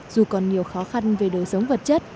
dù còn nhiều khó khăn về đời sống vật chất